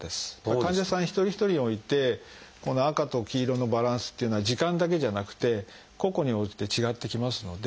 患者さん一人一人においてこの赤と黄色のバランスっていうのは時間だけじゃなくて個々に応じて違ってきますので。